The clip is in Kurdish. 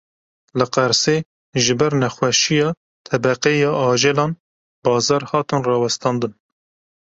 Li Qersê ji ber nexweşiya tebeqê ya ajelan, bazar hatin rawestandin.